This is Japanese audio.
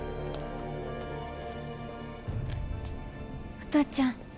お父ちゃん？